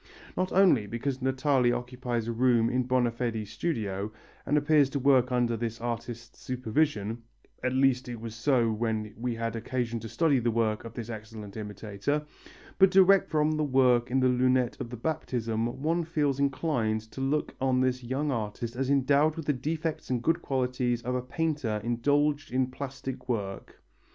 Not only because Natali occupies a room in Bonafedi's studio, and appears to work under this artist's supervision at least it was so when we had occasion to study the work of this excellent imitator but direct from the work in the lunette of the Baptism one feels inclined to look on this young artist as endowed with the defects and good qualities of a painter indulging in plastic work.